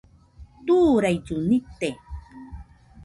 Turaillu nite